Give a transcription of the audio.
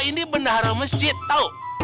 ini beneran masjid tau